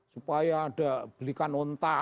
supaya ada belikan onta